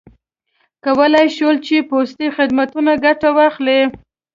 کولای یې شول له پوستي خدمتونو ګټه واخلي.